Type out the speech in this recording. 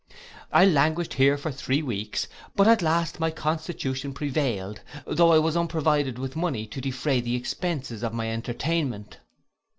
I languished here for near three weeks; but at last my constitution prevailed, though I was unprovided with money to defray the expences of my entertainment.